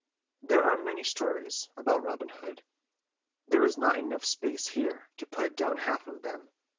There are many more stories about Robin Hood. There is not space enough here to put down half of them.